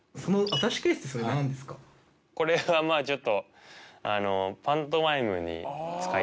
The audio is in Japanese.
これはまぁちょっとあの。